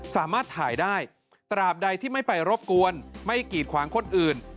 สามารถถ่ายได้ตราบใดที่ไม่ไปรบกวนไม่กีดขวางคนอื่น